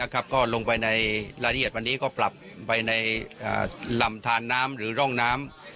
ก็ลงไปในรายละเอียดวันนี้ก็ปรับไปในลำทานน้ำหรือร่องน้ำ